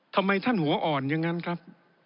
ทำไมท่านหัวอ่อนอย่างนั้นครับ